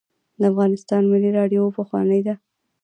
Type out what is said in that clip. د افغانستان ملي راډیو پخوانۍ ده